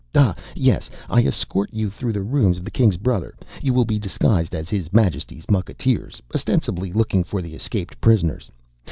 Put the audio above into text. Ah, yes, I escort you through the rooms of the King's brother. You will be disguised as His Majesty's mucketeers, ostensibly looking for the escaped prisoners.